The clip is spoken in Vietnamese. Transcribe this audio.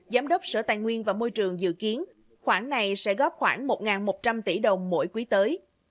giám đốc sở tài nguyên và môi trường dự kiến khoảng này sẽ góp khoảng một một trăm linh tỷ đồng mỗi quý tới